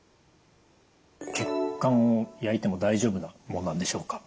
血管を焼いても大丈夫なものなんでしょうか？